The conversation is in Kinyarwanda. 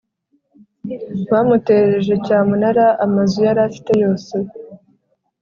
Bamutereje cyamunara amazu yari afite yose